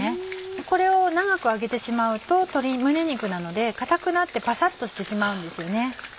これを長く揚げてしまうと鶏胸肉なので硬くなってパサっとしてしまうんですよね。